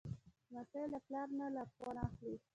لمسی له پلار نه لارښوونه اخلي.